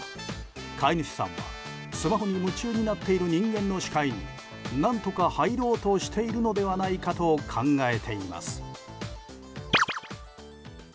飼い主さんはスマホに夢中になっている人間の視界に何とか入ろうとしているのではないかと考えています。